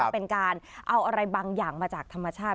เป็นการเอาอะไรบางอย่างมาจากธรรมชาติ